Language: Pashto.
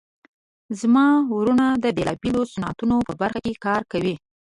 زما وروڼه د بیلابیلو صنعتونو په برخه کې کار کوي